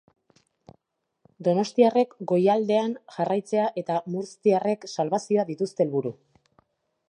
Donostiarrek goialdean jarraitzea eta murztiarrek salbazioa dituzte helburu.